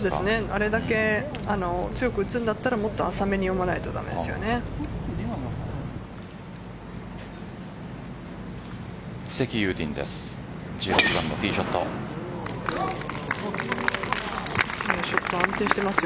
あれだけ強く打つんだったらもっと浅めに読まないとセキ・ユウティンです。